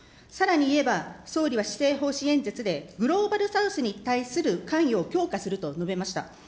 さらに言えば、総理は施政方針演説で、グローバル・サウスに対する関与を強化すると述べました。